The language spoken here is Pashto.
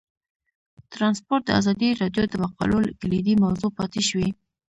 ترانسپورټ د ازادي راډیو د مقالو کلیدي موضوع پاتې شوی.